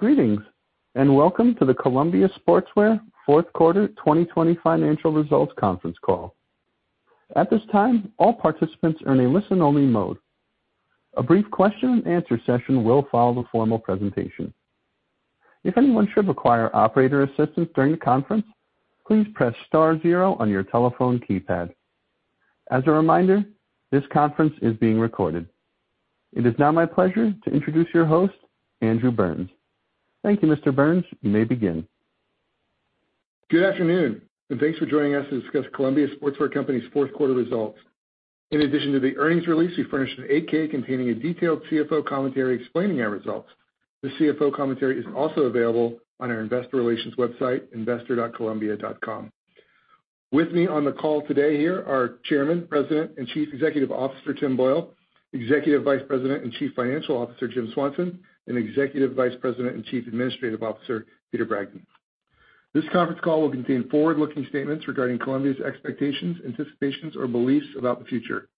It is now my pleasure to introduce your host, Andrew Burns. Thank you, Mr. Burns. You may begin. Good afternoon, thanks for joining us to discuss Columbia Sportswear Company's fourth quarter results. In addition to the earnings release, we furnished an 8-K containing a detailed CFO commentary explaining our results. The CFO commentary is also available on our investor relations website, investor.columbia.com. With me on the call today here are Chairman, President, and Chief Executive Officer, Tim Boyle, Executive Vice President and Chief Financial Officer, Jim Swanson, and Executive Vice President and Chief Administrative Officer, Peter Bragdon. This conference call will contain forward-looking statements regarding Columbia's expectations, anticipations, or beliefs about the future.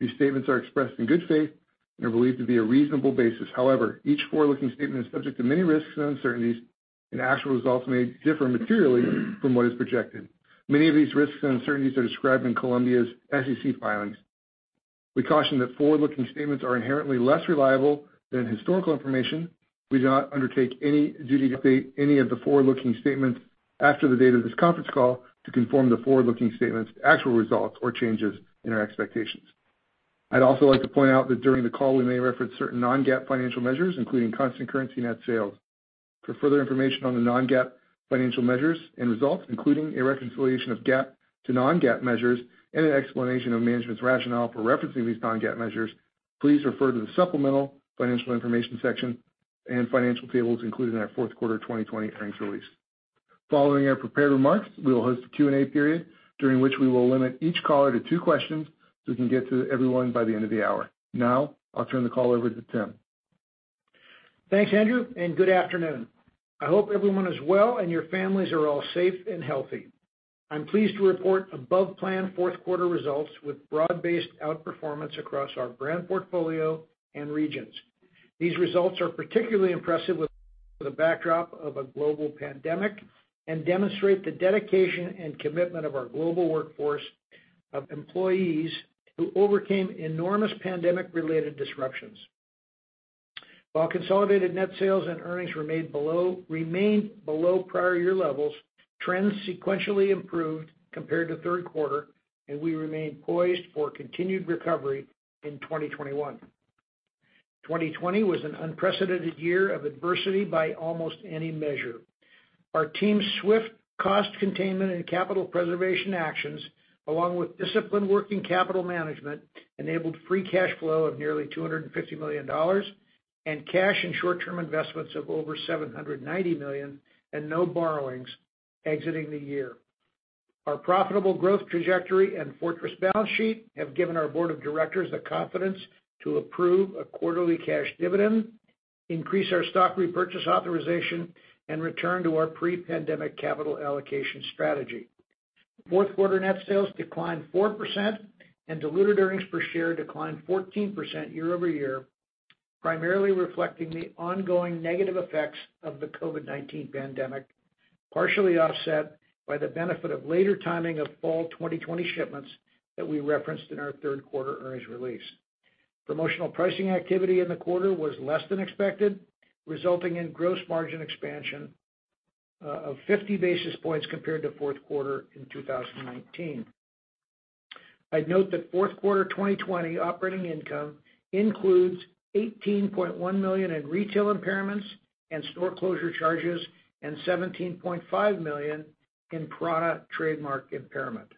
These statements are expressed in good faith and are believed to be a reasonable basis. Each forward-looking statement is subject to many risks and uncertainties, and actual results may differ materially from what is projected. Many of these risks and uncertainties are described in Columbia's SEC filings. We caution that forward-looking statements are inherently less reliable than historical information. We do not undertake any duty to update any of the forward-looking statements after the date of this conference call to conform the forward-looking statements to actual results or changes in our expectations. I'd also like to point out that during the call, we may reference certain non-GAAP financial measures, including constant currency net sales. For further information on the non-GAAP financial measures and results, including a reconciliation of GAAP to non-GAAP measures and an explanation of management's rationale for referencing these non-GAAP measures, please refer to the supplemental financial information section and financial tables included in our fourth quarter 2020 earnings release. Following our prepared remarks, we will host a Q&A period during which we will limit each caller to two questions so we can get to everyone by the end of the hour. Now, I'll turn the call over to Tim. Thanks, Andrew. Good afternoon. I hope everyone is well and your families are all safe and healthy. I'm pleased to report above-plan fourth-quarter results with broad-based outperformance across our brand portfolio and regions. These results are particularly impressive with the backdrop of a global pandemic and demonstrate the dedication and commitment of our global workforce of employees who overcame enormous pandemic-related disruptions. While consolidated net sales and earnings remained below prior year levels, trends sequentially improved compared to third quarter. We remain poised for continued recovery in 2021. 2020 was an unprecedented year of adversity by almost any measure. Our team's swift cost containment and capital preservation actions, along with disciplined working capital management, enabled free cash flow of nearly $250 million and cash and short-term investments of over $790 million and no borrowings exiting the year. Our profitable growth trajectory and fortress balance sheet have given our board of directors the confidence to approve a quarterly cash dividend, increase our stock repurchase authorization, and return to our pre-pandemic capital allocation strategy. Fourth quarter net sales declined 4% and diluted earnings per share declined 14% year-over-year, primarily reflecting the ongoing negative effects of the COVID-19 pandemic, partially offset by the benefit of later timing of fall 2020 shipments that we referenced in our third quarter earnings release. Promotional pricing activity in the quarter was less than expected, resulting in gross margin expansion of 50 basis points compared to fourth quarter in 2019. I'd note that fourth quarter 2020 operating income includes $18.1 million in retail impairments and store closure charges and $17.5 million in prAna trademark impairment.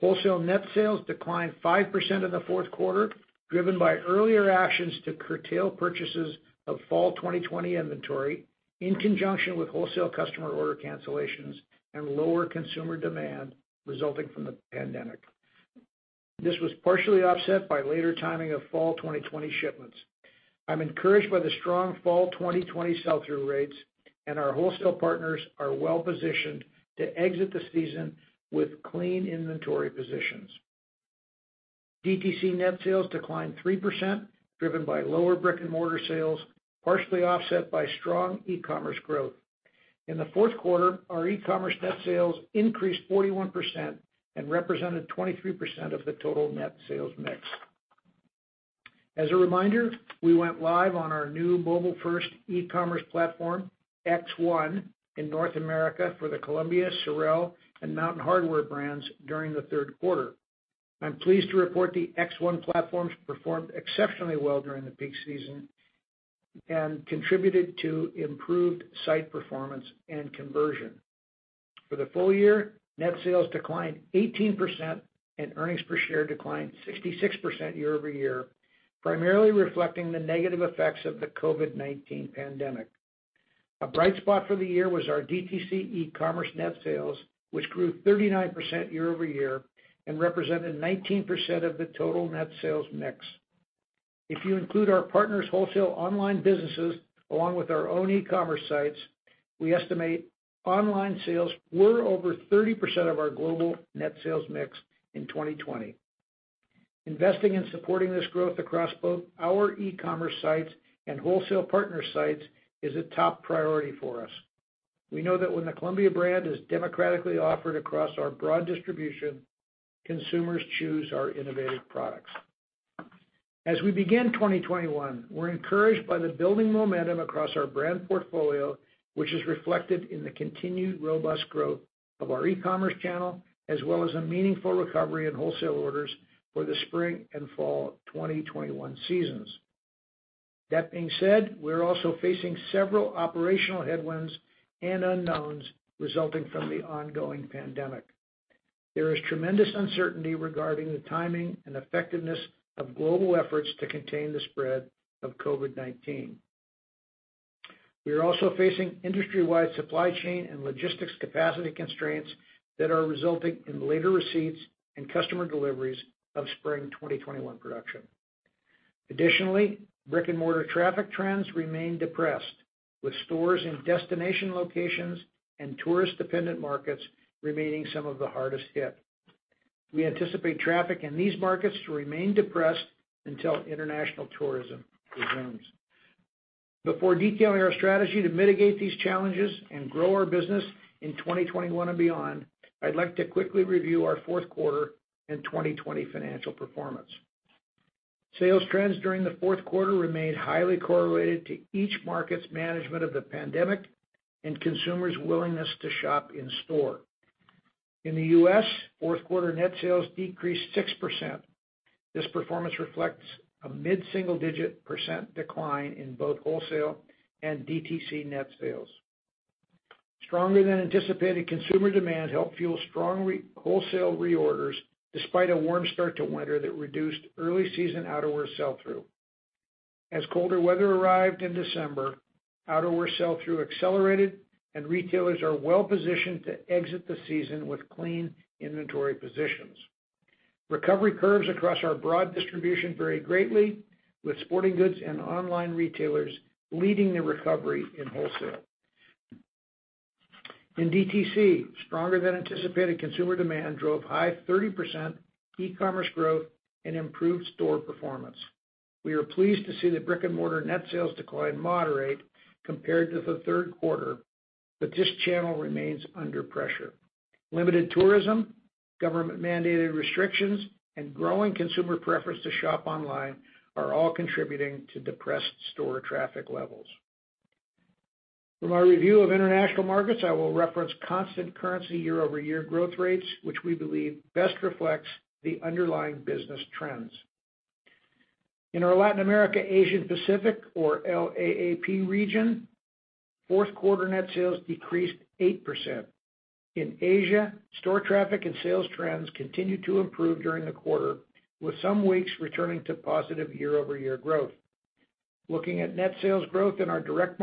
Wholesale net sales declined 5% in the fourth quarter, driven by earlier actions to curtail purchases of fall 2020 inventory in conjunction with wholesale customer order cancellations and lower consumer demand resulting from the pandemic. This was partially offset by later timing of fall 2020 shipments. I'm encouraged by the strong fall 2020 sell-through rates, and our wholesale partners are well-positioned to exit the season with clean inventory positions. DTC net sales declined 3%, driven by lower brick-and-mortar sales, partially offset by strong e-commerce growth. In the fourth quarter, our e-commerce net sales increased 41% and represented 23% of the total net sales mix. As a reminder, we went live on our new mobile-first e-commerce platform, X1, in North America for the Columbia, SOREL, and Mountain Hardwear brands during the third quarter. I'm pleased to report the X1 platforms performed exceptionally well during the peak season and contributed to improved site performance and conversion. For the full year, net sales declined 18% and earnings per share declined 66% year-over-year, primarily reflecting the negative effects of the COVID-19 pandemic. A bright spot for the year was our DTC e-commerce net sales, which grew 39% year-over-year and represented 19% of the total net sales mix. If you include our partners' wholesale online businesses along with our own e-commerce sites, we estimate online sales were over 30% of our global net sales mix in 2020. Investing in supporting this growth across both our e-commerce sites and wholesale partner sites is a top priority for us. We know that when the Columbia brand is democratically offered across our broad distribution, consumers choose our innovative products. As we begin 2021, we're encouraged by the building momentum across our brand portfolio, which is reflected in the continued robust growth of our e-commerce channel, as well as a meaningful recovery in wholesale orders for the spring and fall 2021 seasons. That being said, we're also facing several operational headwinds and unknowns resulting from the ongoing pandemic. There is tremendous uncertainty regarding the timing and effectiveness of global efforts to contain the spread of COVID-19. We are also facing industry-wide supply chain and logistics capacity constraints that are resulting in later receipts and customer deliveries of spring 2021 production. Additionally, brick-and-mortar traffic trends remain depressed, with stores in destination locations and tourist-dependent markets remaining some of the hardest hit. We anticipate traffic in these markets to remain depressed until international tourism resumes. Before detailing our strategy to mitigate these challenges and grow our business in 2021 and beyond, I'd like to quickly review our fourth quarter and 2020 financial performance. Sales trends during the fourth quarter remained highly correlated to each market's management of the pandemic and consumers' willingness to shop in-store. In the U.S., fourth quarter net sales decreased 6%. This performance reflects a mid-single-digit percent decline in both wholesale and DTC net sales. Stronger than anticipated consumer demand helped fuel strong wholesale reorders, despite a warm start to winter that reduced early season outerwear sell-through. As colder weather arrived in December, outerwear sell-through accelerated, and retailers are well-positioned to exit the season with clean inventory positions. Recovery curves across our broad distribution vary greatly, with sporting goods and online retailers leading the recovery in wholesale. In DTC, stronger than anticipated consumer demand drove high 13% e-commerce growth and improved store performance. We are pleased to see the brick-and-mortar net sales decline moderate compared to the third quarter, but this channel remains under pressure. Limited tourism, government-mandated restrictions, and growing consumer preference to shop online are all contributing to depressed store traffic levels. From our review of international markets, I will reference constant currency year-over-year growth rates, which we believe best reflects the underlying business trends. In our Latin America, Asian Pacific, or LAAP region, fourth quarter net sales decreased 8%. In Asia, store traffic and sales trends continued to improve during the quarter, with some weeks returning to positive year-over-year growth. Looking at net sales growth in our direct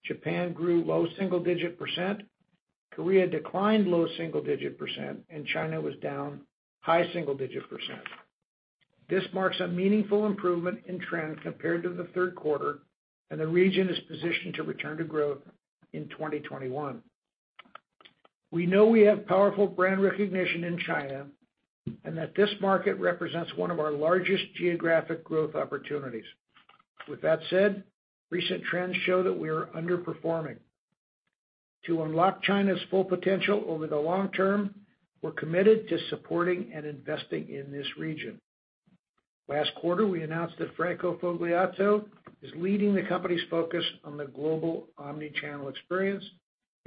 markets, Japan grew low single digit percent, Korea declined low single digit percent, and China was down high single digit percent. This marks a meaningful improvement in trend compared to the third quarter, and the region is positioned to return to growth in 2021. We know we have powerful brand recognition in China and that this market represents one of our largest geographic growth opportunities. With that said, recent trends show that we are underperforming. To unlock China's full potential over the long term, we're committed to supporting and investing in this region. Last quarter, we announced that Franco Fogliato is leading the company's focus on the global omni-channel experience,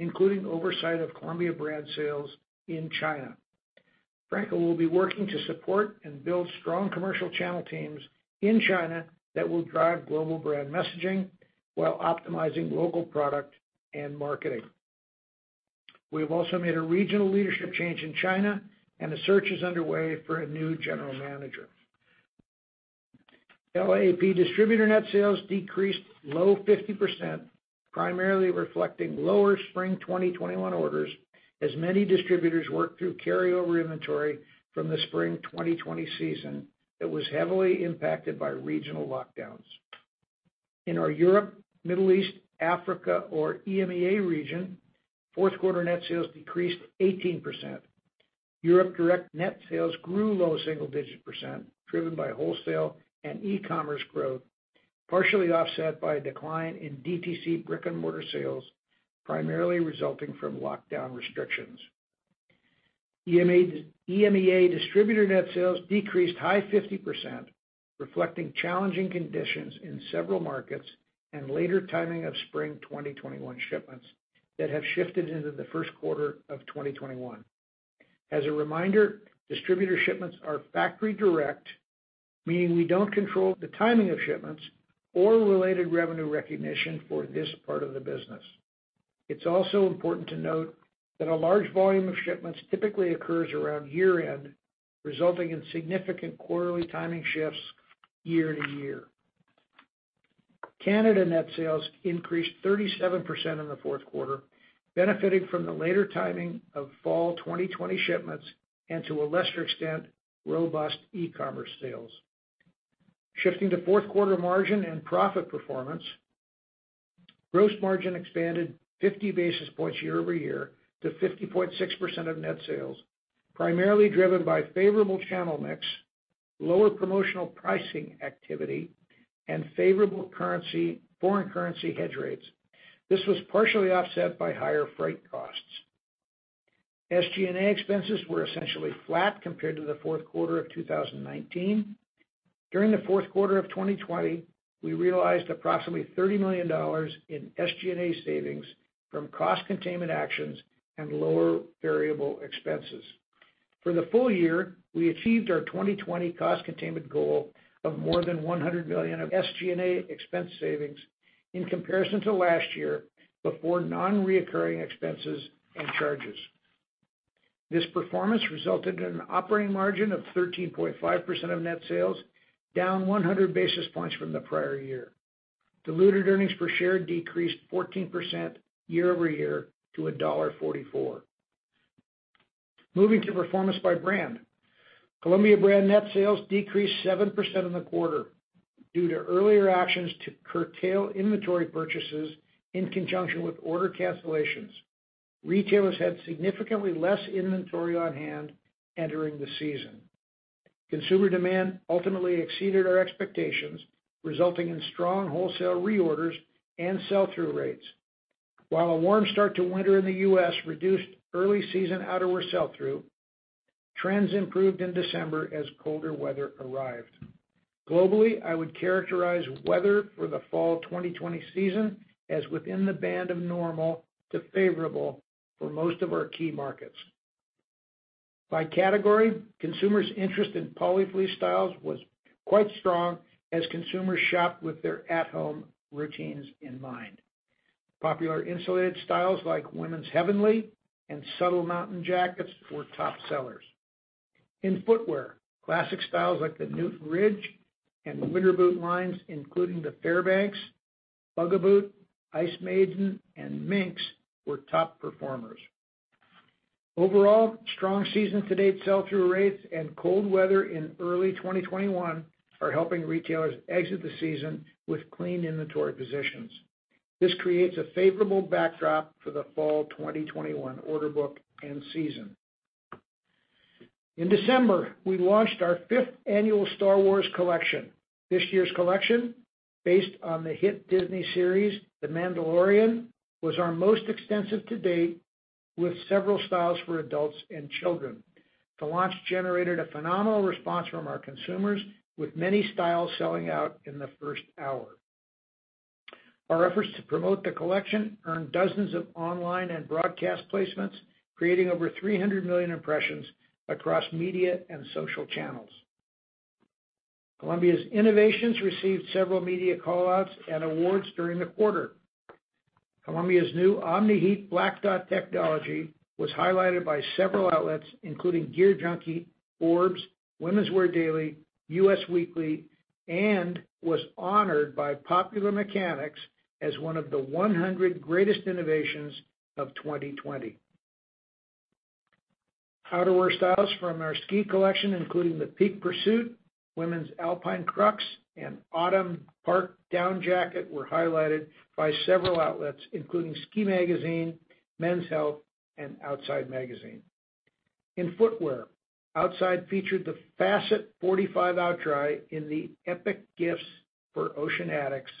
including oversight of Columbia brand sales in China. Franco will be working to support and build strong commercial channel teams in China that will drive global brand messaging while optimizing local product and marketing. We have also made a regional leadership change in China, and a search is underway for a new general manager. LAAP distributor net sales decreased low 50%, primarily reflecting lower spring 2021 orders, as many distributors worked through carryover inventory from the spring 2020 season that was heavily impacted by regional lockdowns. In our Europe, Middle East, Africa, or EMEA region, fourth quarter net sales decreased 18%. Europe direct net sales grew low single-digit percent, driven by wholesale and e-commerce growth, partially offset by a decline in DTC brick-and-mortar sales, primarily resulting from lockdown restrictions. EMEA distributor net sales decreased high 50%, reflecting challenging conditions in several markets and later timing of spring 2021 shipments that have shifted into the first quarter of 2021. As a reminder, distributor shipments are factory direct, meaning we don't control the timing of shipments or related revenue recognition for this part of the business. It is also important to note that a large volume of shipments typically occurs around year-end, resulting in significant quarterly timing shifts year-to-year. Canada net sales increased 37% in the fourth quarter, benefiting from the later timing of fall 2020 shipments and, to a lesser extent, robust e-commerce sales. Shifting to fourth quarter margin and profit performance. Gross margin expanded 50 basis points year-over-year to 50.6% of net sales, primarily driven by favorable channel mix, lower promotional pricing activity, and favorable foreign currency hedge rates. This was partially offset by higher freight costs. SG&A expenses were essentially flat compared to the fourth quarter of 2019. During the fourth quarter of 2020, we realized approximately $30 million in SG&A savings from cost containment actions and lower variable expenses. For the full year, we achieved our 2020 cost containment goal of more than $100 million of SG&A expense savings in comparison to last year, before non-recurring expenses and charges. This performance resulted in an operating margin of 13.5% of net sales, down 100 basis points from the prior year. Diluted earnings per share decreased 14% year-over-year to $1.44. Moving to performance by brand. Columbia brand net sales decreased 7% in the quarter due to earlier actions to curtail inventory purchases in conjunction with order cancellations. Retailers had significantly less inventory on hand entering the season. Consumer demand ultimately exceeded our expectations, resulting in strong wholesale reorders and sell-through rates. While a warm start to winter in the U.S. reduced early season outerwear sell-through, trends improved in December as colder weather arrived. Globally, I would characterize weather for the fall 2020 season as within the band of normal to favorable for most of our key markets. By category, consumers' interest in polyfleece styles was quite strong as consumers shopped with their at-home routines in mind. Popular insulated styles like women's Heavenly and Suttle Mountain jackets were top sellers. In footwear, classic styles like the Newton Ridge and winter boot lines including the Fairbanks, Bugaboot, Ice Maiden, and Minx were top performers. Overall, strong season-to-date sell-through rates and cold weather in early 2021 are helping retailers exit the season with clean inventory positions. This creates a favorable backdrop for the fall 2021 order book end season. In December, we launched our fifth annual "Star Wars" collection. This year's collection, based on the hit Disney series "The Mandalorian," was our most extensive to date, with several styles for adults and children. The launch generated a phenomenal response from our consumers, with many styles selling out in the first hour. Our efforts to promote the collection earned dozens of online and broadcast placements, creating over 300 million impressions across media and social channels. Columbia's innovations received several media call-outs and awards during the quarter. Columbia's new Omni-Heat Black Dot technology was highlighted by several outlets including GearJunkie, Forbes, Women's Wear Daily, US Weekly, and was honored by Popular Mechanics as one of the 100 greatest innovations of 2020. Outerwear styles from our ski collection, including the Peak Pursuit, women's Alpine Crux, and Autumn Park down jacket were highlighted by several outlets including SKI Magazine, Men's Health, and Outside magazine. In footwear, Outside featured the Facet 45 OutDry in the Epic Gifts for Ocean Addicts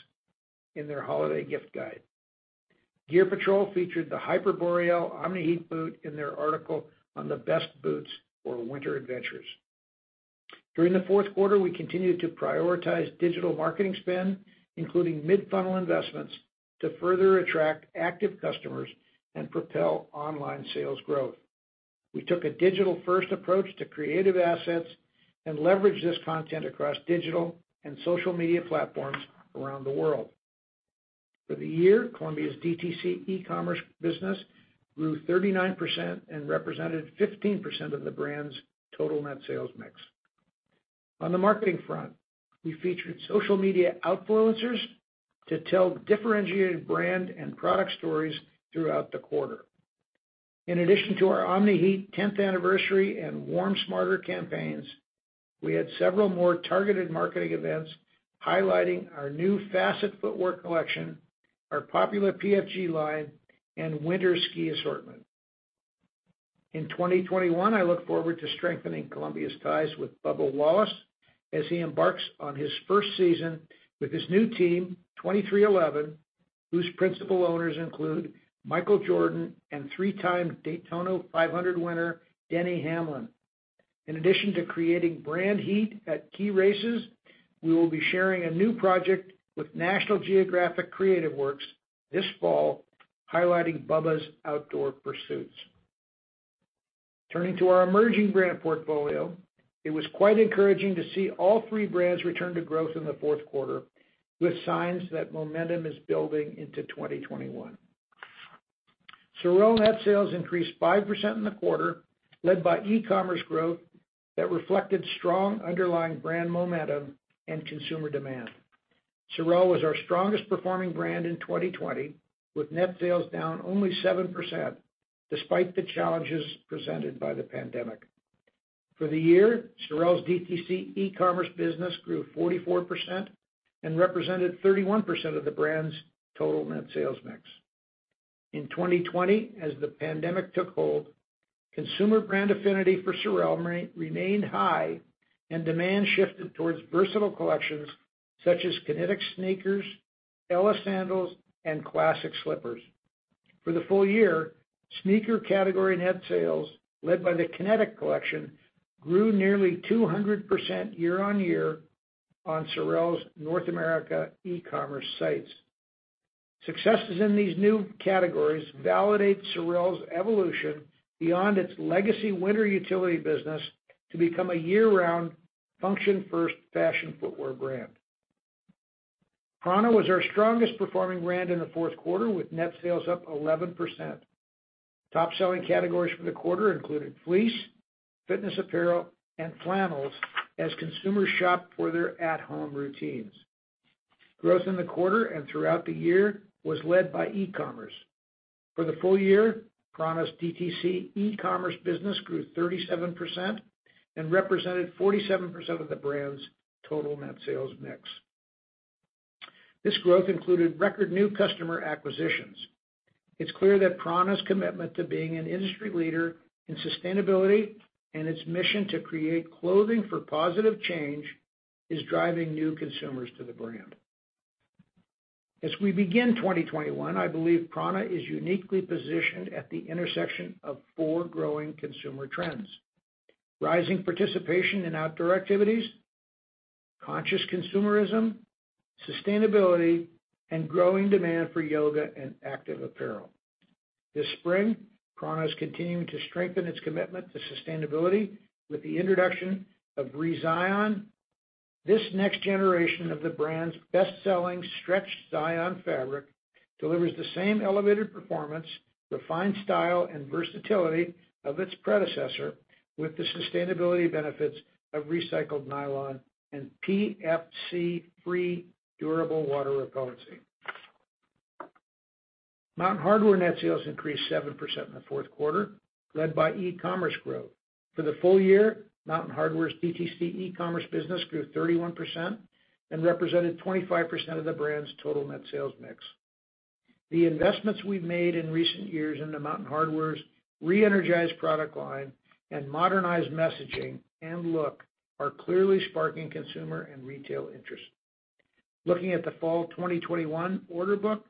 in their holiday gift guide. Gear Patrol featured the Hyper-Boreal Omni-Heat boot in their article on the best boots for winter adventures. During the fourth quarter, we continued to prioritize digital marketing spend, including mid-funnel investments, to further attract active customers and propel online sales growth. We took a digital-first approach to creative assets and leveraged this content across digital and social media platforms around the world. For the year, Columbia's DTC e-commerce business grew 39% and represented 15% of the brand's total net sales mix. On the marketing front, we featured social media outfluencers to tell differentiated brand and product stories throughout the quarter. In addition to our Omni-Heat 10th anniversary and Warm Smarter campaigns, we had several more targeted marketing events highlighting our new Facet footwear collection, our popular PFG line, and winter ski assortment. In 2021, I look forward to strengthening Columbia's ties with Bubba Wallace as he embarks on his first season with his new team, 23XI, whose principal owners include Michael Jordan and three-time Daytona 500 winner Denny Hamlin. In addition to creating brand heat at key races, we will be sharing a new project with National Geographic CreativeWorks this fall highlighting Bubba's outdoor pursuits. Turning to our emerging brand portfolio, it was quite encouraging to see all three brands return to growth in the fourth quarter with signs that momentum is building into 2021. SOREL net sales increased 5% in the quarter, led by e-commerce growth that reflected strong underlying brand momentum and consumer demand. SOREL was our strongest performing brand in 2020, with net sales down only 7%, despite the challenges presented by the pandemic. For the year, SOREL's DTC e-commerce business grew 44% and represented 31% of the brand's total net sales mix. In 2020, as the pandemic took hold, consumer brand affinity for SOREL remained high and demand shifted towards versatile collections such as Kinetic sneakers, Ella sandals, and classic slippers. For the full year, sneaker category net sales, led by the Kinetic collection, grew nearly 200% year-on-year on SOREL's North America e-commerce sites. Successes in these new categories validate SOREL's evolution beyond its legacy winter utility business to become a year-round, function first fashion footwear brand. prAna was our strongest performing brand in the fourth quarter, with net sales up 11%. Top-selling categories for the quarter included fleece, fitness apparel, and flannels as consumers shopped for their at-home routines. Growth in the quarter and throughout the year was led by e-commerce. For the full year, prAna's DTC e-commerce business grew 37% and represented 47% of the brand's total net sales mix. This growth included record new customer acquisitions. It's clear that prAna's commitment to being an industry leader in sustainability and its mission to create clothing for positive change is driving new consumers to the brand. As we begin 2021, I believe prAna is uniquely positioned at the intersection of four growing consumer trends. Rising participation in outdoor activities, conscious consumerism, sustainability, and growing demand for yoga and active apparel. This spring, prAna's continuing to strengthen its commitment to sustainability with the introduction of reZion. This next generation of the brand's best-selling stretch Zion fabric delivers the same elevated performance, refined style, and versatility of its predecessor with the sustainability benefits of recycled nylon and PFC-free durable water repellency. Mountain Hardwear net sales increased 7% in the fourth quarter, led by e-commerce growth. For the full year, Mountain Hardwear's DTC e-commerce business grew 31% and represented 25% of the brand's total net sales mix. The investments we've made in recent years into Mountain Hardwear's re-energized product line and modernized messaging and look are clearly sparking consumer and retail interest. Looking at the fall 2021 order book,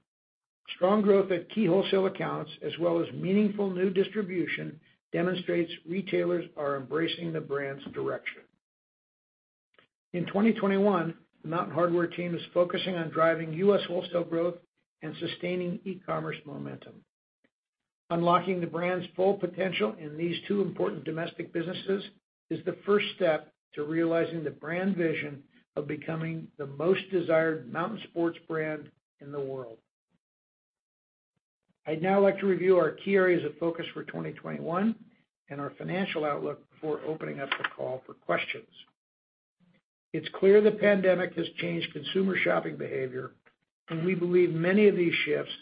strong growth at key wholesale accounts as well as meaningful new distribution demonstrates retailers are embracing the brand's direction. In 2021, the Mountain Hardwear team is focusing on driving U.S. wholesale growth and sustaining e-commerce momentum. Unlocking the brand's full potential in these two important domestic businesses is the first step to realizing the brand vision of becoming the most desired mountain sports brand in the world. I'd now like to review our key areas of focus for 2021 and our financial outlook before opening up the call for questions. It's clear the pandemic has changed consumer shopping behavior, and we believe many of these shifts,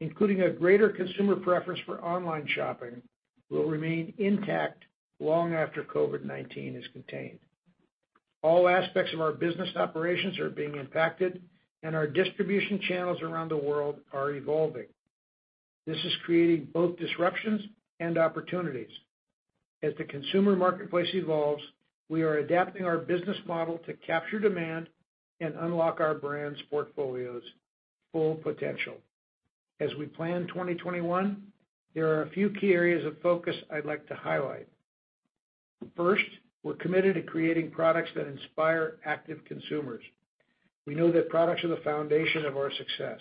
including a greater consumer preference for online shopping, will remain intact long after COVID-19 is contained. All aspects of our business operations are being impacted, and our distribution channels around the world are evolving. This is creating both disruptions and opportunities. As the consumer marketplace evolves, we are adapting our business model to capture demand and unlock our brands portfolio's full potential. As we plan 2021, there are a few key areas of focus I'd like to highlight. First, we're committed to creating products that inspire active consumers. We know that products are the foundation of our success.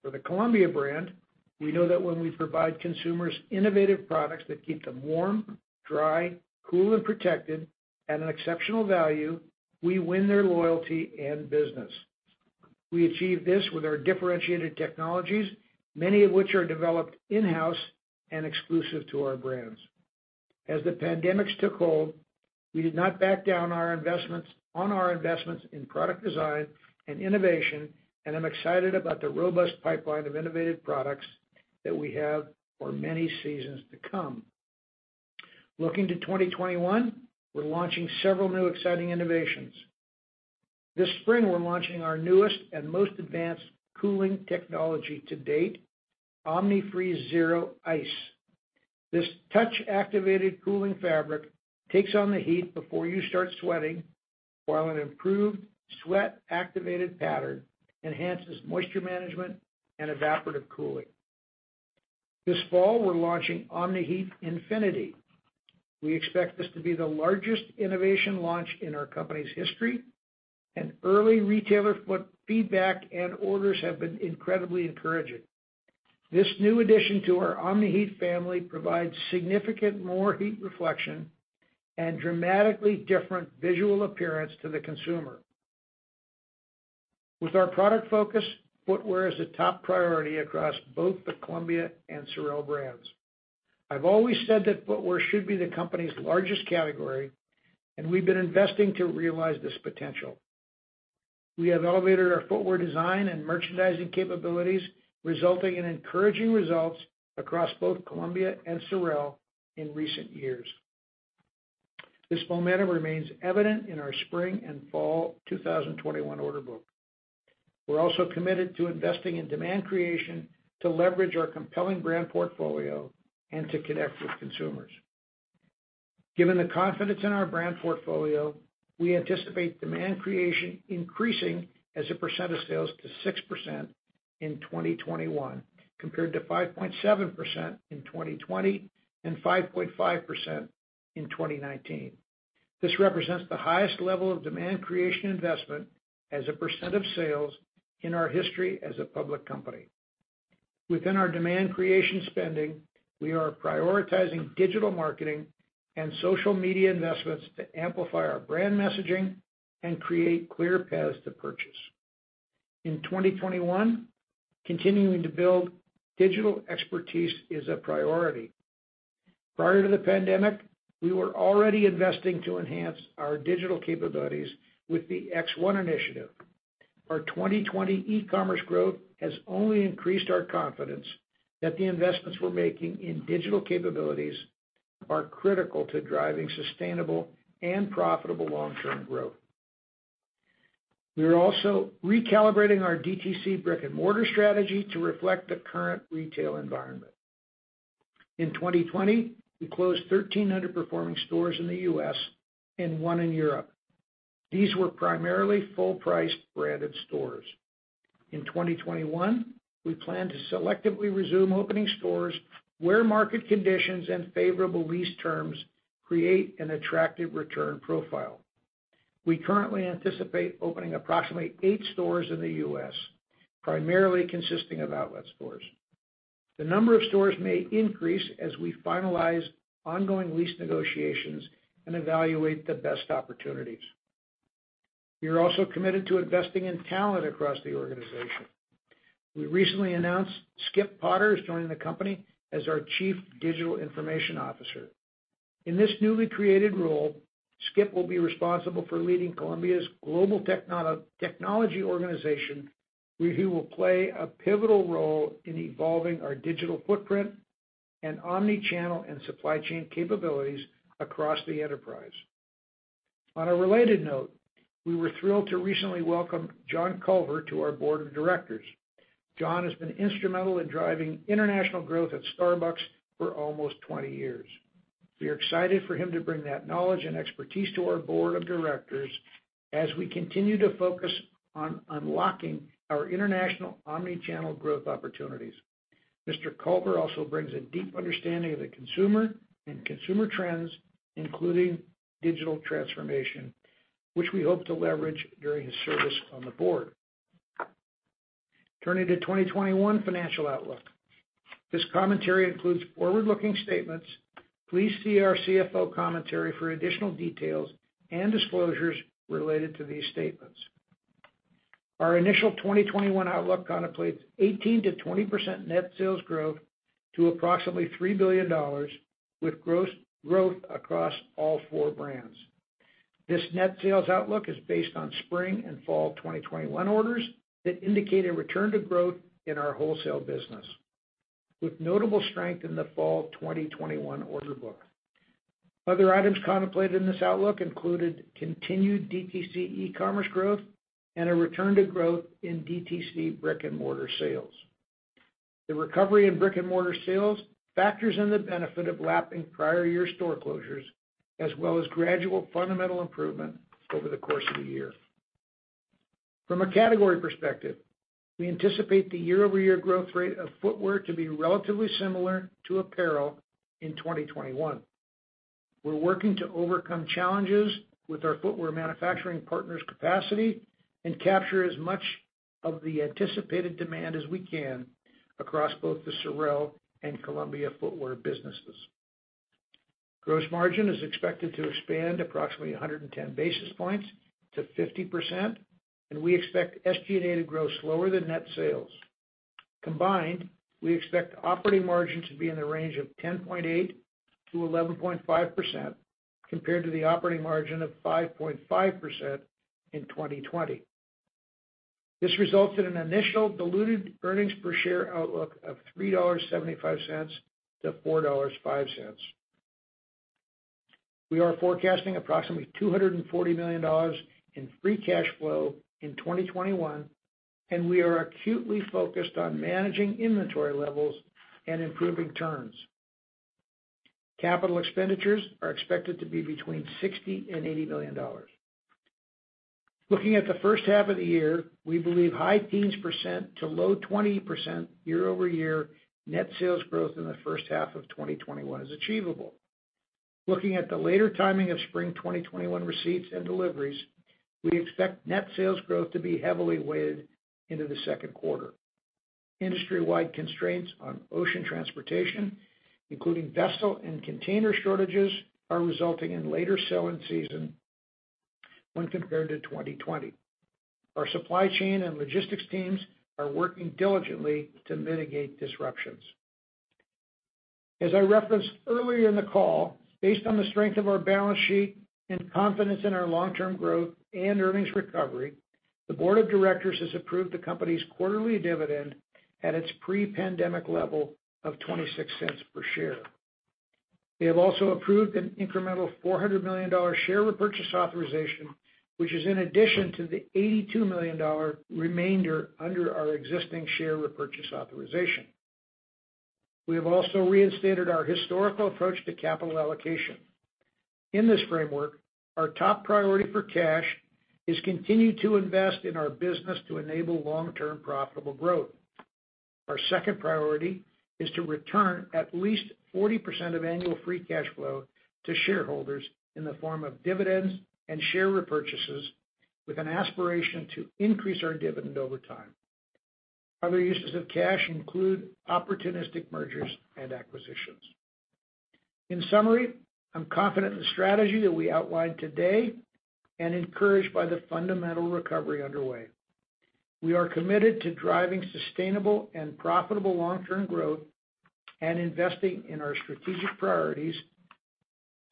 For the Columbia brand, we know that when we provide consumers innovative products that keep them warm, dry, cool, and protected at an exceptional value, we win their loyalty and business. We achieve this with our differentiated technologies, many of which are developed in-house and exclusive to our brands. As the pandemics took hold, we did not back down on our investments in product design and innovation, and I'm excited about the robust pipeline of innovative products that we have for many seasons to come. Looking to 2021, we're launching several new exciting innovations. This spring, we're launching our newest and most advanced cooling technology to date, Omni-Freeze ZERO Ice. This touch-activated cooling fabric takes on the heat before you start sweating, while an improved sweat-activated pattern enhances moisture management and evaporative cooling. This fall, we're launching Omni-Heat Infinity. We expect this to be the largest innovation launch in our company's history, and early retailer feedback and orders have been incredibly encouraging. This new addition to our Omni-Heat family provides significant more heat reflection and dramatically different visual appearance to the consumer. With our product focus, footwear is a top priority across both the Columbia and SOREL brands. I've always said that footwear should be the company's largest category, and we've been investing to realize this potential. We have elevated our footwear design and merchandising capabilities, resulting in encouraging results across both Columbia and SOREL in recent years. This momentum remains evident in our spring and fall 2021 order book. We're also committed to investing in demand creation to leverage our compelling brand portfolio and to connect with consumers. Given the confidence in our brand portfolio, we anticipate demand creation increasing as a percent of sales to 6% in 2021, compared to 5.7% in 2020 and 5.5% in 2019. This represents the highest level of demand creation investment as a percent of sales in our history as a public company. Within our demand creation spending, we are prioritizing digital marketing and social media investments to amplify our brand messaging and create clear paths to purchase. In 2021, continuing to build digital expertise is a priority. Prior to the pandemic, we were already investing to enhance our digital capabilities with the X1 initiative. Our 2020 e-commerce growth has only increased our confidence that the investments we're making in digital capabilities are critical to driving sustainable and profitable long-term growth. We are also recalibrating our DTC brick-and-mortar strategy to reflect the current retail environment. In 2020, we closed 1,300 performing stores in the U.S. and one in Europe. These were primarily full-priced branded stores. In 2021, we plan to selectively resume opening stores where market conditions and favorable lease terms create an attractive return profile. We currently anticipate opening approximately eight stores in the U.S., primarily consisting of outlet stores. The number of stores may increase as we finalize ongoing lease negotiations and evaluate the best opportunities. We are also committed to investing in talent across the organization. We recently announced Skip Potter is joining the company as our Chief Digital Information Officer. In this newly created role, Skip will be responsible for leading Columbia's global technology organization, where he will play a pivotal role in evolving our digital footprint and omni-channel and supply chain capabilities across the enterprise. On a related note, we were thrilled to recently welcome John Culver to our board of directors. John has been instrumental in driving international growth at Starbucks for almost 20 years. We are excited for him to bring that knowledge and expertise to our board of directors as we continue to focus on unlocking our international omni-channel growth opportunities. Mr. Culver also brings a deep understanding of the consumer and consumer trends, including digital transformation, which we hope to leverage during his service on the board. Turning to 2021 financial outlook. This commentary includes forward-looking statements. Please see our CFO commentary for additional details and disclosures related to these statements. Our initial 2021 outlook contemplates 18%-20% net sales growth to approximately $3 billion with growth across all four brands. This net sales outlook is based on spring and fall 2021 orders that indicate a return to growth in our wholesale business, with notable strength in the fall 2021 order book. Other items contemplated in this outlook included continued DTC e-commerce growth and a return to growth in DTC brick-and-mortar sales. The recovery in brick-and-mortar sales factors in the benefit of lapping prior year store closures, as well as gradual fundamental improvement over the course of the year. From a category perspective, we anticipate the year-over-year growth rate of footwear to be relatively similar to apparel in 2021. We're working to overcome challenges with our footwear manufacturing partners' capacity and capture as much of the anticipated demand as we can across both the SOREL and Columbia footwear businesses. Gross margin is expected to expand approximately 110 basis points to 50%, and we expect SG&A to grow slower than net sales. Combined, we expect operating margin to be in the range of 10.8%-11.5%, compared to the operating margin of 5.5% in 2020. This results in an initial diluted earnings per share outlook of $3.75 to $4.05. We are forecasting approximately $240 million in free cash flow in 2021, and we are acutely focused on managing inventory levels and improving turns. Capital expenditures are expected to be between $60 million and $80 million. Looking at the first half of the year, we believe high teens percent to low 20% year-over-year net sales growth in the first half of 2021 is achievable. Looking at the later timing of spring 2021 receipts and deliveries, we expect net sales growth to be heavily weighted into the second quarter. Industry-wide constraints on ocean transportation, including vessel and container shortages, are resulting in later selling season when compared to 2020. Our supply chain and logistics teams are working diligently to mitigate disruptions. As I referenced earlier in the call, based on the strength of our balance sheet and confidence in our long-term growth and earnings recovery, the board of directors has approved the company's quarterly dividend at its pre-pandemic level of $0.26 per share. They have also approved an incremental $400 million share repurchase authorization, which is in addition to the $82 million remainder under our existing share repurchase authorization. We have also reinstated our historical approach to capital allocation. In this framework, our top priority for cash is continue to invest in our business to enable long-term profitable growth. Our second priority is to return at least 40% of annual free cash flow to shareholders in the form of dividends and share repurchases with an aspiration to increase our dividend over time. Other uses of cash include opportunistic mergers and acquisitions. In summary, I'm confident in the strategy that we outlined today and encouraged by the fundamental recovery underway. We are committed to driving sustainable and profitable long-term growth and investing in our strategic priorities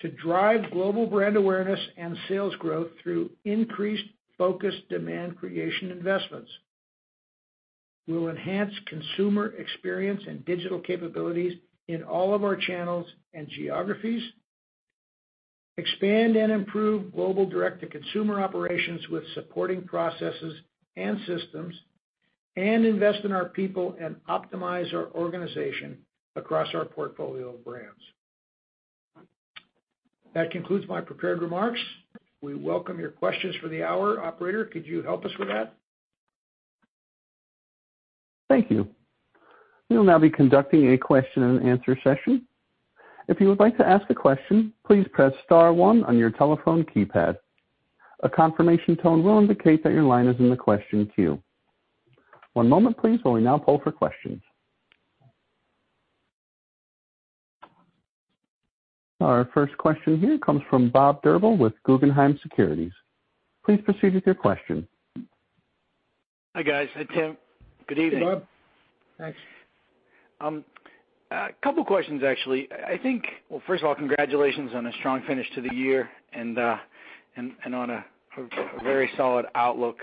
to drive global brand awareness and sales growth through increased focused demand creation investments. We will enhance consumer experience and digital capabilities in all of our channels and geographies, expand and improve global direct-to-consumer operations with supporting processes and systems, and invest in our people and optimize our organization across our portfolio of brands. That concludes my prepared remarks. We welcome your questions for the hour. Operator, could you help us with that? Thank you. We will now be conducting a question and answer session. If you would like to ask a question, please press star one on your telephone keypad. A confirmation tone will indicate that your line is in the question queue. One moment please while we now poll for questions. Our first question here comes from Bob Drbul with Guggenheim Securities. Please proceed with your question. Hi, guys. Hi, Tim. Good evening. Hey, Bob. Thanks. A couple questions, actually. Well, first of all, congratulations on a strong finish to the year and on a very solid outlook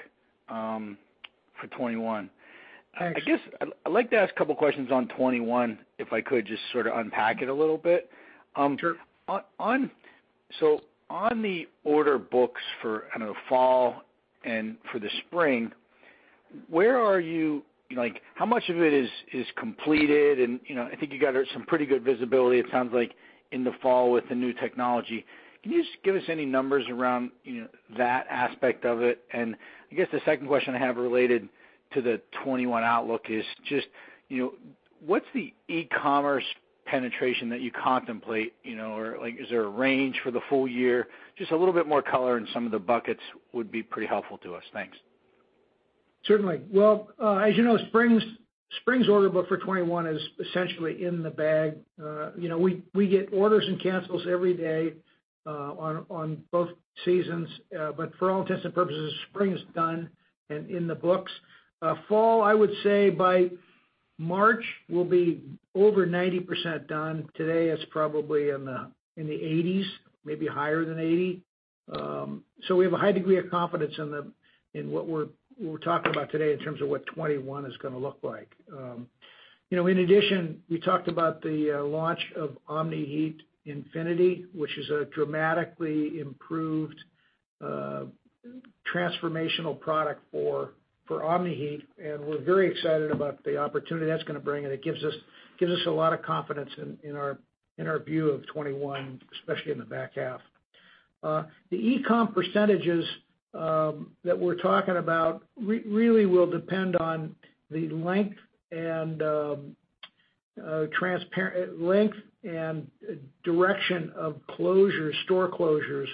for 2021. Thanks. I guess I'd like to ask a couple questions on 2021, if I could just sort of unpack it a little bit. Sure. On the order books for, I don't know, fall and for the spring, how much of it is completed and I think you got some pretty good visibility, it sounds like in the fall with the new technology. Can you just give us any numbers around that aspect of it? I guess the second question I have related to the 2021 outlook is just, what's the e-commerce penetration that you contemplate? Or is there a range for the full year? Just a little bit more color in some of the buckets would be pretty helpful to us. Thanks. Certainly. As you know, spring's order book for 2021 is essentially in the bag. We get orders and cancels every day, on both seasons. For all intents and purposes, spring is done and in the books. Fall, I would say by March, we'll be over 90% done. Today, it's probably in the 80%s, maybe higher than 80%. We have a high degree of confidence in what we're talking about today in terms of what 2021 is going to look like. In addition, we talked about the launch of Omni-Heat Infinity, which is a dramatically improved, transformational product for Omni-Heat, and we're very excited about the opportunity that's going to bring, and it gives us a lot of confidence in our view of 2021, especially in the back half. The e-com percentages that we're talking about really will depend on the length and direction of store closures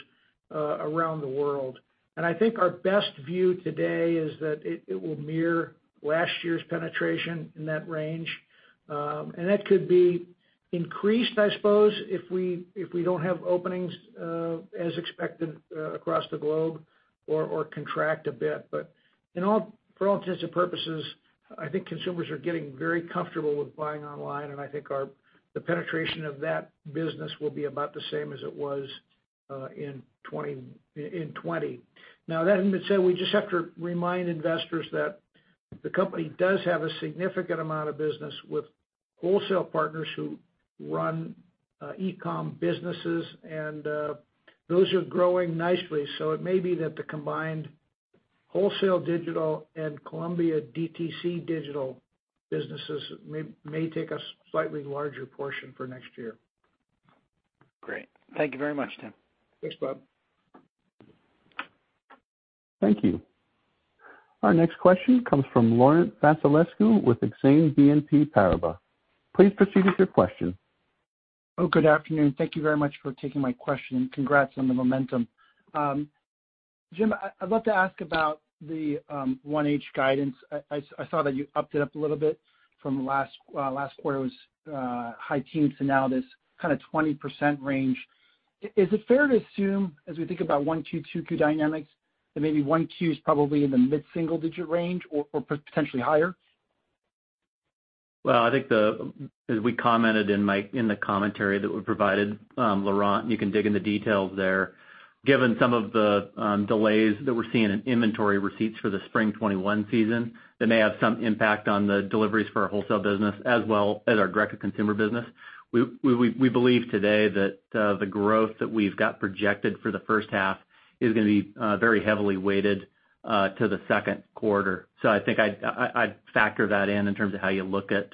around the world. I think our best view today is that it will mirror last year's penetration in that range. That could be increased, I suppose, if we don't have openings, as expected, across the globe or contract a bit. For all intents and purposes, I think consumers are getting very comfortable with buying online, and I think the penetration of that business will be about the same as it was in 2020. That having been said, we just have to remind investors that the company does have a significant amount of business with wholesale partners who run e-com businesses, and those are growing nicely. It may be that the combined wholesale digital and Columbia DTC digital businesses may take a slightly larger portion for next year. Great. Thank you very much, Tim. Thanks, Bob. Thank you. Our next question comes from Laurent Vasilescu with Exane BNP Paribas. Please proceed with your question. Good afternoon. Thank you very much for taking my question. Congrats on the momentum. Jim, I'd love to ask about the 1H guidance. I saw that you upped it up a little bit from last quarter, it was high teens and now this kind of 20% range. Is it fair to assume, as we think about Q1, Q2 dynamics, that maybe Q1 is probably in the mid-single digit range or potentially higher? I think as we commented in the commentary that we provided, Laurent, you can dig in the details there. Given some of the delays that we're seeing in inventory receipts for the Spring 2021 season, that may have some impact on the deliveries for our wholesale business as well as our direct-to-consumer business. We believe today that the growth that we've got projected for the first half is going to be very heavily weighted to the second quarter. I think I'd factor that in terms of how you look at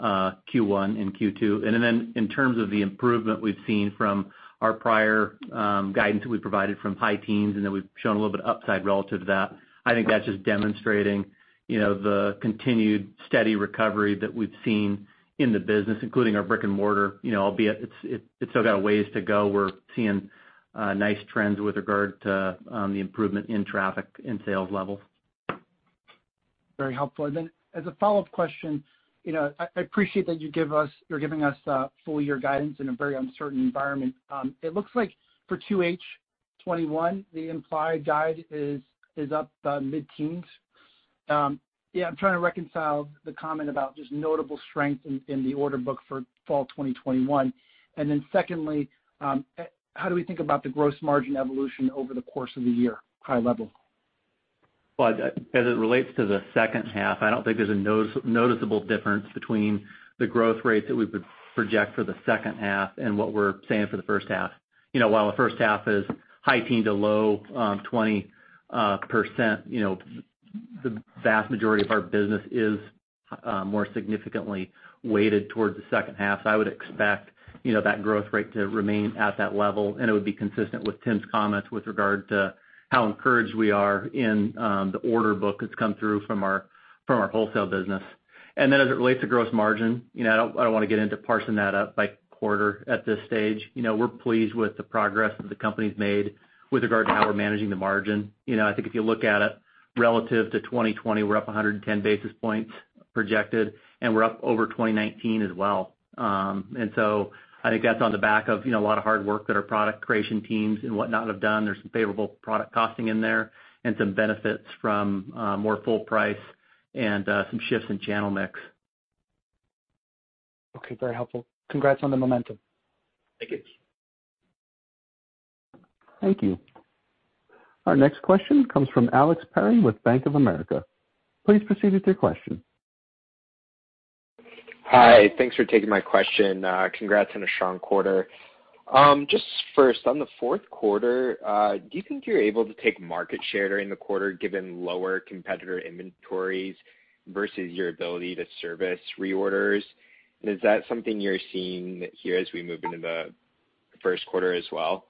Q1 and Q2. In terms of the improvement we've seen from our prior guidance that we provided from high teens, we've shown a little bit of upside relative to that. I think that's just demonstrating the continued steady recovery that we've seen in the business, including our brick and mortar. Albeit it's still got a ways to go. We're seeing nice trends with regard to the improvement in traffic and sales level. Very helpful. As a follow-up question, I appreciate that you're giving us full year guidance in a very uncertain environment. It looks like for 2H 2021, the implied guide is up mid-teens. I'm trying to reconcile the comment about just notable strength in the order book for fall 2021. Secondly, how do we think about the gross margin evolution over the course of the year, high level? As it relates to the second half, I don't think there's a noticeable difference between the growth rate that we would project for the second half and what we're saying for the first half. While the first half is high teens or low 20%, the vast majority of our business is more significantly weighted towards the second half. I would expect that growth rate to remain at that level, and it would be consistent with Tim's comments with regard to how encouraged we are in the order book that's come through from our wholesale business. As it relates to gross margin, I don't want to get into parsing that up by quarter at this stage. We're pleased with the progress that the company's made with regard to how we're managing the margin. I think if you look at it relative to 2020, we're up 110 basis points projected, and we're up over 2019 as well. I think that's on the back of a lot of hard work that our product creation teams and whatnot have done. There's some favorable product costing in there and some benefits from more full price and some shifts in channel mix. Okay, very helpful. Congrats on the momentum. Thank you. Thank you. Our next question comes from Alex Perry with Bank of America. Please proceed with your question. Hi. Thanks for taking my question. Congrats on a strong quarter. Just first, on the fourth quarter, do you think you're able to take market share during the quarter, given lower competitor inventories versus your ability to service reorders? Is that something you're seeing here as we move into the first quarter as well?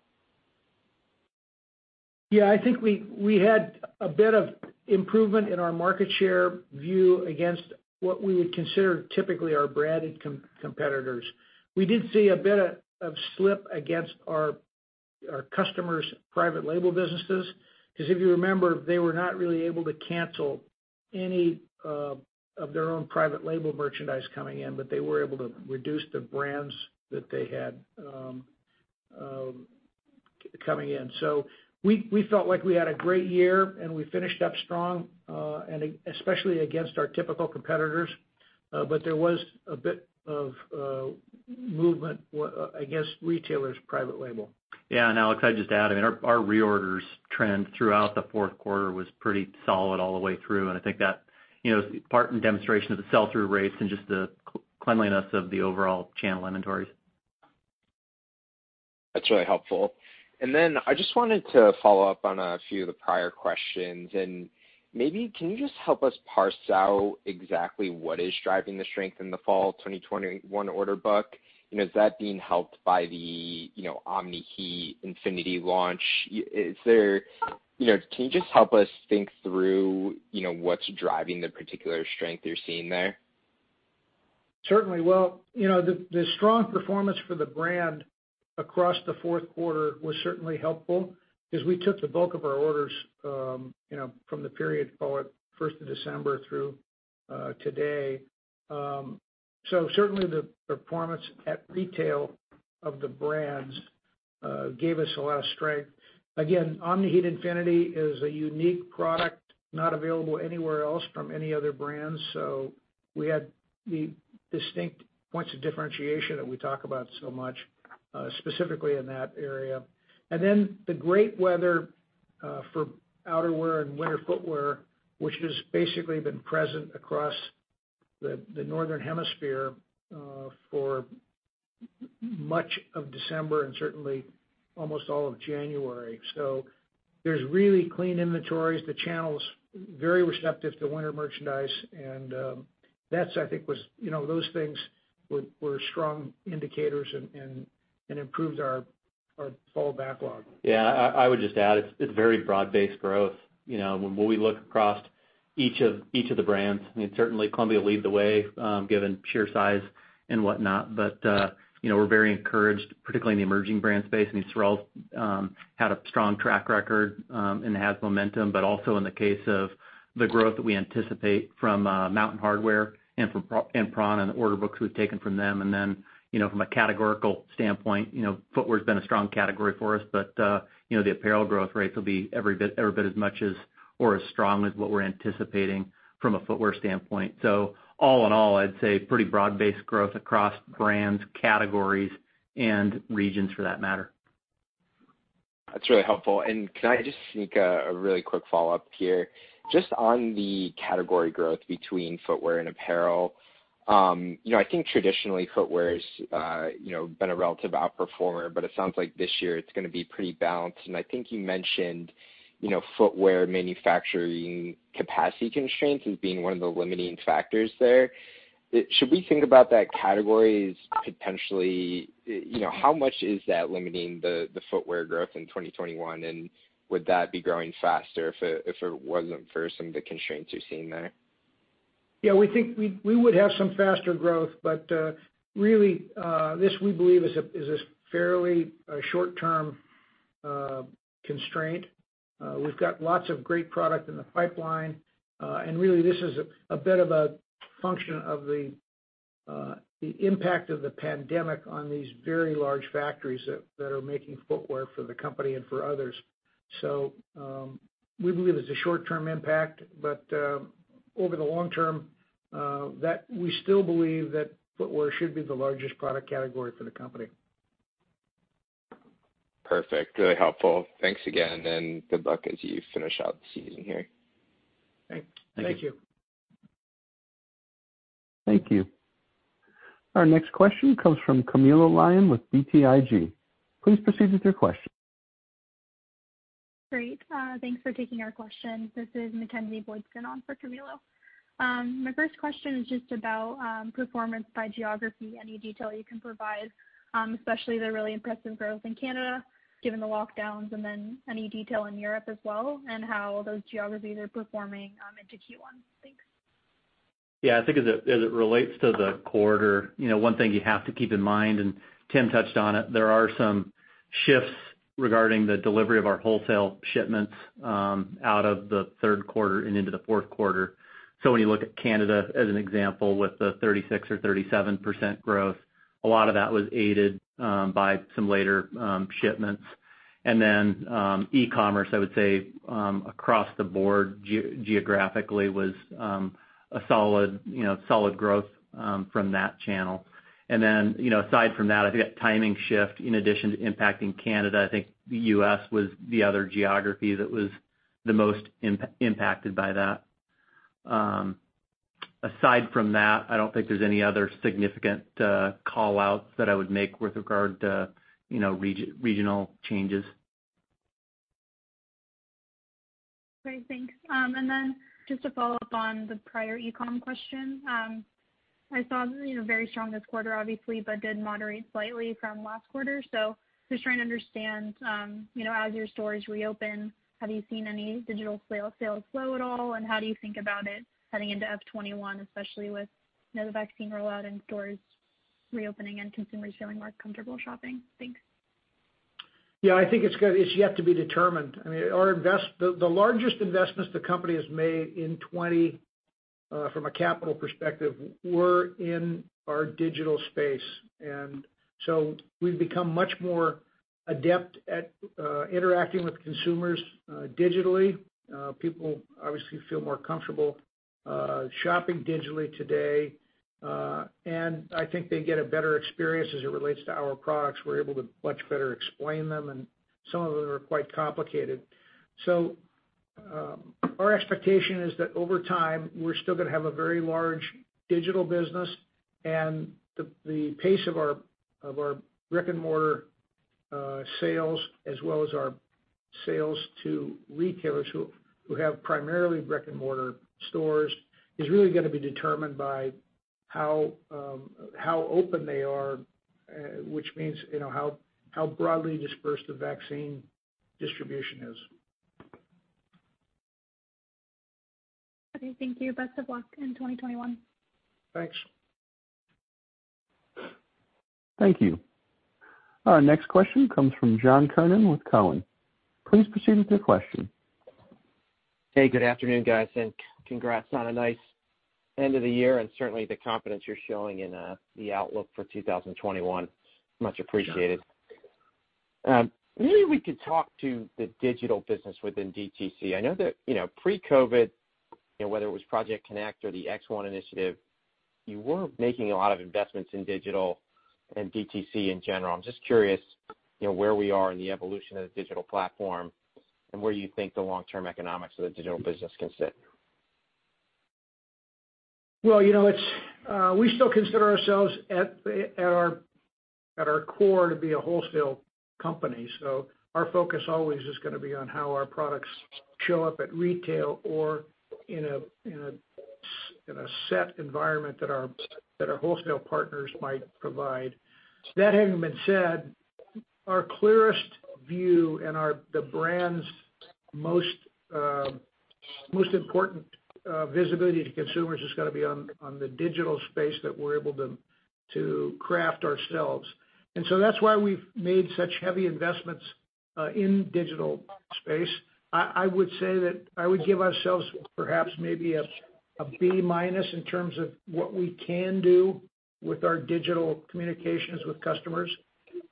Yeah, I think we had a bit of improvement in our market share view against what we would consider typically our branded competitors. We did see a bit of slip against our customers' private label businesses. If you remember, they were not really able to cancel any of their own private label merchandise coming in, but they were able to reduce the brands that they had coming in. We felt like we had a great year, and we finished up strong, especially against our typical competitors. There was a bit of movement against retailers' private label. Alex, I'd just add, our reorders trend throughout the fourth quarter was pretty solid all the way through, and I think that is part in demonstration of the sell-through rates and just the cleanliness of the overall channel inventories. That's really helpful. I just wanted to follow up on a few of the prior questions, maybe can you just help us parse out exactly what is driving the strength in the fall 2021 order book? Is that being helped by the Omni-Heat Infinity launch? Can you just help us think through what's driving the particular strength you're seeing there? Certainly. Well, the strong performance for the brand across the fourth quarter was certainly helpful because we took the bulk of our orders from the period call it 1st of December through today. Certainly the performance at retail of the brands gave us a lot of strength. Again, Omni-Heat Infinity is a unique product, not available anywhere else from any other brands. We had the distinct points of differentiation that we talk about so much, specifically in that area. Then the great weather for outerwear and winter footwear, which has basically been present across the northern hemisphere for much of December and certainly almost all of January. There's really clean inventories. The channel's very receptive to winter merchandise. Those things were strong indicators and improved our fall backlog. Yeah, I would just add, it's very broad-based growth when we look across each of the brands. Certainly Columbia lead the way given pure size and whatnot. We're very encouraged, particularly in the emerging brand space. SOREL had a strong track record and has momentum, but also in the case of the growth that we anticipate from Mountain Hardwear and from prAna and the order books we've taken from them. From a categorical standpoint, footwear's been a strong category for us, but the apparel growth rates will be every bit as much as or as strong as what we're anticipating from a footwear standpoint. All in all, I'd say pretty broad-based growth across brands, categories, and regions for that matter. That's really helpful. Could I just sneak a really quick follow-up here? Just on the category growth between footwear and apparel. I think traditionally footwear's been a relative outperformer, it sounds like this year it's going to be pretty balanced. I think you mentioned footwear manufacturing capacity constraints as being one of the limiting factors there. Should we think about that category as potentially, how much is that limiting the footwear growth in 2021? Would that be growing faster if it wasn't for some of the constraints you're seeing there? Yeah, we think we would have some faster growth, really this, we believe is a fairly short-term constraint. We've got lots of great product in the pipeline. Really this is a bit of a function of the impact of the pandemic on these very large factories that are making footwear for the company and for others. We believe it's a short-term impact, over the long term, we still believe that footwear should be the largest product category for the company. Perfect. Really helpful. Thanks again, and good luck as you finish out the season here. Thank you. Thank you. Thank you. Our next question comes from Camilo Lyon with BTIG. Please proceed with your question. Great. Thanks for taking our question. This is Mackenzie Boydston on for Camilo. My first question is just about performance by geography. Any detail you can provide, especially the really impressive growth in Canada, given the lockdowns, and then any detail in Europe as well, and how those geographies are performing into Q1. Thanks. Yeah, I think as it relates to the quarter, one thing you have to keep in mind, and Tim touched on it, there are some shifts regarding the delivery of our wholesale shipments out of the third quarter and into the fourth quarter. When you look at Canada as an example with the 36% or 37% growth, a lot of that was aided by some later shipments. E-commerce, I would say, across the board geographically was a solid growth from that channel. Aside from that, I think that timing shift, in addition to impacting Canada, I think the U.S. was the other geography that was the most impacted by that. Aside from that, I don't think there's any other significant call-outs that I would make with regard to regional changes. Great. Thanks. Then just to follow up on the prior e-com question. I saw very strong this quarter, obviously, but did moderate slightly from last quarter. Just trying to understand as your stores reopen, have you seen any digital sales slow at all? How do you think about it heading into FY 2021, especially with the vaccine rollout and stores reopening and consumers feeling more comfortable shopping? Thanks. Yeah, I think it's yet to be determined. The largest investments the company has made in 2020, from a capital perspective, were in our digital space. So we've become much more adept at interacting with consumers digitally. People obviously feel more comfortable shopping digitally today. I think they get a better experience as it relates to our products. We're able to much better explain them, and some of them are quite complicated. Our expectation is that over time, we're still going to have a very large digital business. The pace of our brick-and-mortar sales as well as our sales to retailers who have primarily brick-and-mortar stores is really going to be determined by how open they are, which means how broadly dispersed the vaccine distribution is. Okay. Thank you. Best of luck in 2021. Thanks. Thank you. Our next question comes from John Kernan with Cowen. Please proceed with your question. Hey, good afternoon, guys, and congrats on a nice end of the year and certainly the confidence you're showing in the outlook for 2021. Much appreciated. Maybe we could talk to the digital business within DTC. I know that pre-COVID, whether it was Project CONNECT or the X1 initiative, you were making a lot of investments in digital and DTC in general. I'm just curious where we are in the evolution of the digital platform and where you think the long-term economics of the digital business can sit. Well, we still consider ourselves at our core to be a wholesale company. Our focus always is going to be on how our products show up at retail or in a set environment that our wholesale partners might provide. That having been said, our clearest view and the brand's most important visibility to consumers is going to be on the digital space that we're able to craft ourselves. That's why we've made such heavy investments in digital space. I would say that I would give ourselves perhaps maybe a B- in terms of what we can do with our digital communications with customers.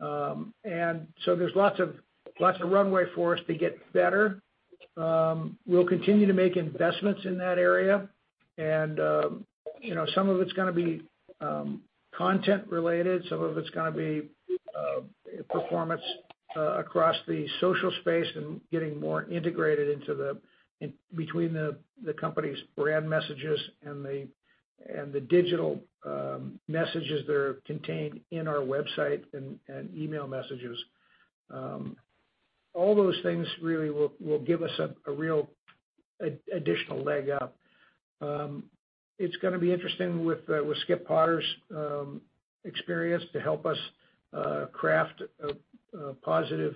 There's lots of runway for us to get better. We'll continue to make investments in that area, and some of it's going to be content related, some of it's going to be performance across the social space and getting more integrated between the company's brand messages and the digital messages that are contained in our website and email messages. All those things really will give us a real additional leg up. It's going to be interesting with Skip Potter's experience to help us craft a positive,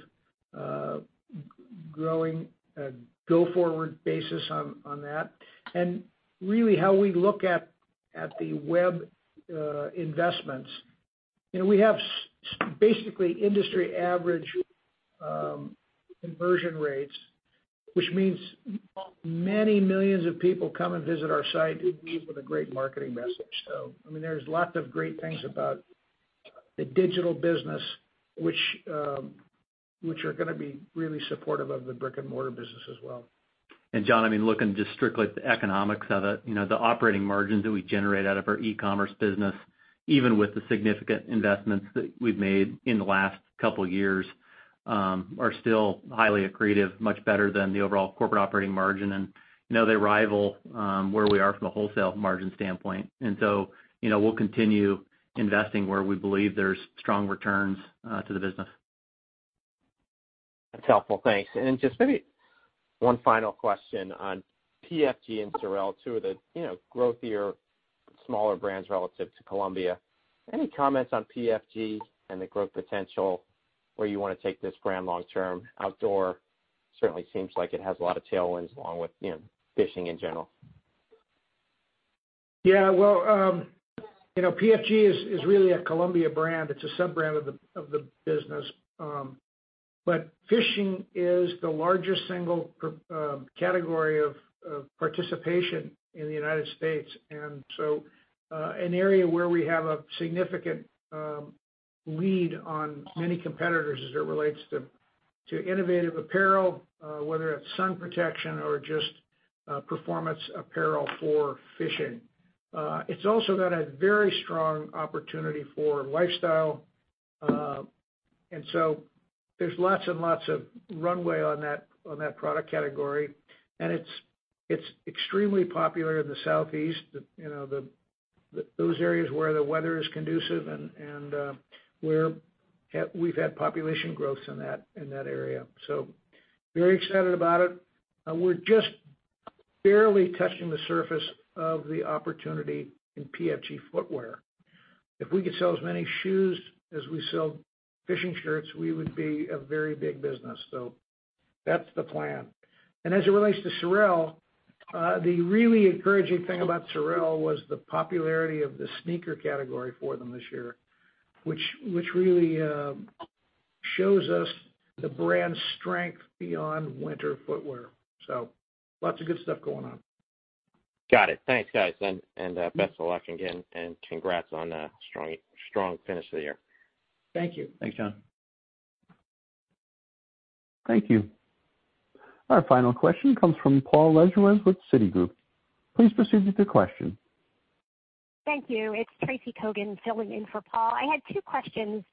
growing, go-forward basis on that. Really how we look at the web investments. We have basically industry average conversion rates, which means many millions of people come and visit our site with a great marketing message. There's lots of great things about the digital business, which are going to be really supportive of the brick-and-mortar business as well. John, looking just strictly at the economics of it, the operating margins that we generate out of our e-commerce business, even with the significant investments that we've made in the last couple of years, are still highly accretive, much better than the overall corporate operating margin. They rival where we are from a wholesale margin standpoint. We'll continue investing where we believe there's strong returns to the business. That's helpful. Thanks. Just maybe one final question on PFG and SOREL, two of the growthier smaller brands relative to Columbia. Any comments on PFG and the growth potential where you want to take this brand long term? Outdoor certainly seems like it has a lot of tailwinds along with fishing in general. PFG is really a Columbia brand. It's a sub-brand of the business. Fishing is the largest single category of participation in the United States An area where we have a significant lead on many competitors as it relates to innovative apparel, whether it's sun protection or just performance apparel for fishing. It's also got a very strong opportunity for lifestyle. There's lots and lots of runway on that product category. It's extremely popular in the Southeast, those areas where the weather is conducive and where we've had population growth in that area. Very excited about it. We're just barely touching the surface of the opportunity in PFG footwear. If we could sell as many shoes as we sell fishing shirts, we would be a very big business. That's the plan. As it relates to SOREL, the really encouraging thing about SOREL was the popularity of the sneaker category for them this year, which really shows us the brand's strength beyond winter footwear. Lots of good stuff going on. Got it. Thanks, guys. Best of luck again, and congrats on a strong finish to the year. Thank you. Thanks, John. Thank you. Our final question comes from Paul Lejuez with Citigroup. Please proceed with your question. Thank you. It's Tracy Kogan filling in for Paul. I had two questions.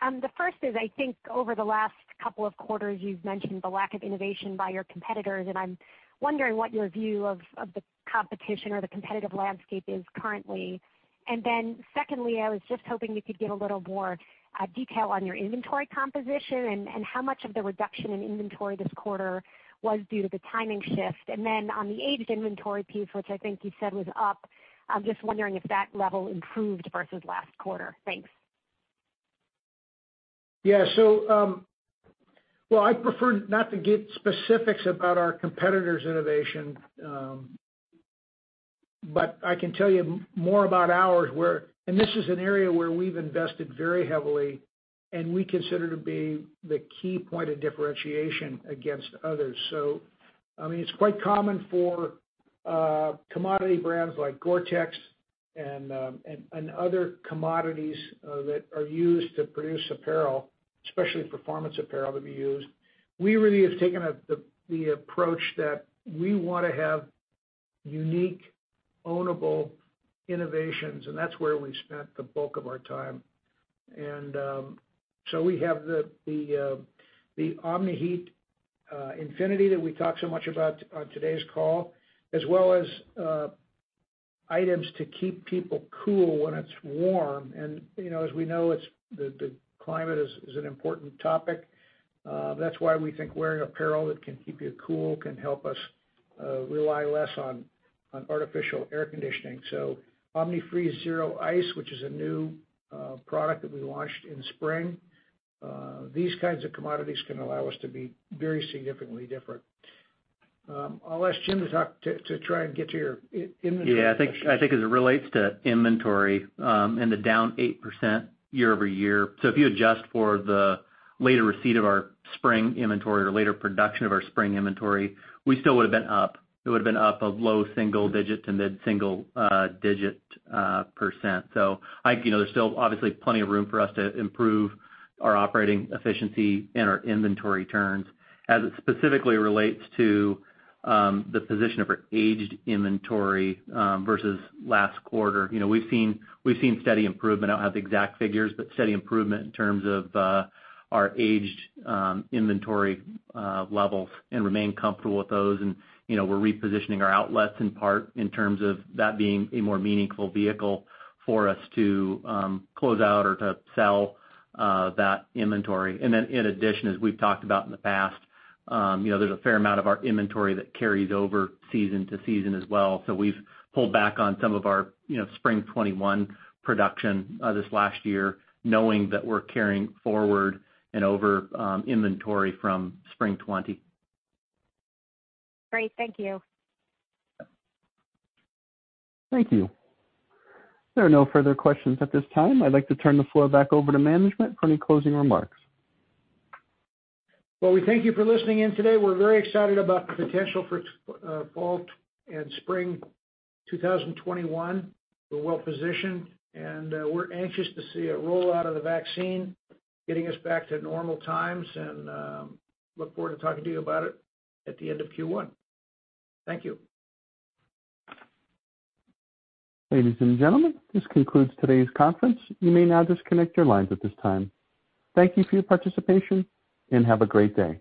The first is, I think over the last couple of quarters, you've mentioned the lack of innovation by your competitors, and I'm wondering what your view of the competition or the competitive landscape is currently. Secondly, I was just hoping you could give a little more detail on your inventory composition and how much of the reduction in inventory this quarter was due to the timing shift. On the aged inventory piece, which I think you said was up, I'm just wondering if that level improved versus last quarter. Thanks. Yeah. Well, I prefer not to give specifics about our competitors' innovation. I can tell you more about ours, and this is an area where we've invested very heavily, and we consider to be the key point of differentiation against others. It's quite common for commodity brands like GORE-TEX and other commodities that are used to produce apparel, especially performance apparel that we use. We really have taken the approach that we want to have unique ownable innovations, and that's where we spent the bulk of our time. We have the Omni-Heat Infinity that we talked so much about on today's call, as well as items to keep people cool when it's warm. As we know, the climate is an important topic. That's why we think wearing apparel that can keep you cool can help us rely less on artificial air conditioning. Omni-Freeze ZERO Ice, which is a new product that we launched in spring. These kinds of commodities can allow us to be very significantly different. I'll ask Jim to talk to try and get to your inventory questions. Yeah, I think as it relates to inventory and the down 8% year-over-year. If you adjust for the later receipt of our spring inventory or later production of our spring inventory, we still would've been up. It would've been up a low single digit to mid-single digit percent. There's still obviously plenty of room for us to improve our operating efficiency and our inventory turns. As it specifically relates to the position of our aged inventory versus last quarter, we've seen steady improvement. I don't have the exact figures, steady improvement in terms of our aged inventory levels and remain comfortable with those. We're repositioning our outlets in part in terms of that being a more meaningful vehicle for us to close out or to sell that inventory. In addition, as we've talked about in the past, there's a fair amount of our inventory that carries over season to season as well. We've pulled back on some of our spring 2021 production this last year knowing that we're carrying forward and over inventory from spring 2020. Great. Thank you. Thank you. There are no further questions at this time. I'd like to turn the floor back over to management for any closing remarks. Well, we thank you for listening in today. We're very excited about the potential for fall and spring 2021. We're well positioned, and we're anxious to see a rollout of the vaccine getting us back to normal times, and look forward to talking to you about it at the end of Q1. Thank you. Ladies and gentlemen, this concludes today's conference. You may now disconnect your lines at this time. Thank you for your participation, and have a great day.